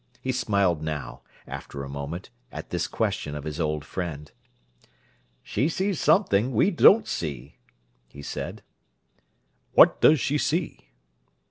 He smiled now, after a moment, at this question of his old friend. "She sees something that we don't see," he said. "What does she see?"